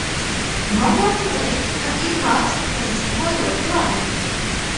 Varētu teikt, ka ir kāds, kas dzīvo ļoti labi.